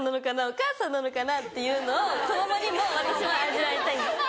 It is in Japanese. お母さんなのかな？」っていうのを子供にも私も味わいたいんです。